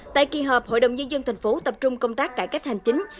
tại kỳ họp hội đồng nhân dân tp hcm tập trung công tác cải cách hành chính